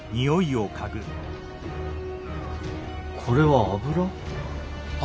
これは油？